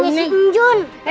kakaknya si unjun